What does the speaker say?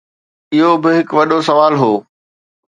اهو به هڪ وڏو سوال هو